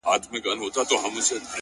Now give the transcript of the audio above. درته ليكمه نا په حسن كي دي گډ يم.!